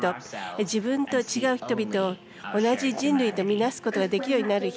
自分とは違う人々を、同じ人類とみなすことができるようになる日。